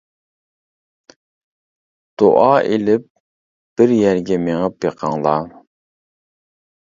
دۇئا ئېلىپ بىر يەرگە مېڭىپ بېقىڭلار.